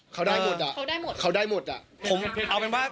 เขาได้หมดอ่ะเขาได้หมดอ่ะเขาได้หมดอ่ะ